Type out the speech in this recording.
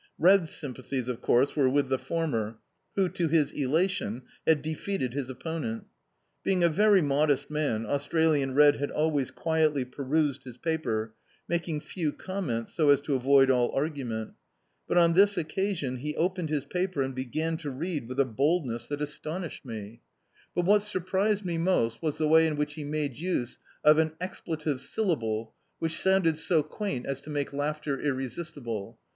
, Red's sympathies, of course, were with the former, who, to his elation, had defeated his opponent. Being a very modest man, Australian Red had always quietly perused his paper, making few comments, so as to avoid all argu ment; but on this occasion, he opened his paper and began to read with a boldness that astonished me. Dn.icdt, Google Berry Picking But what surprised mc most was the way in whidi he made use of an expletive syllable, which sounded so quaint as to make lau^ter irresistible.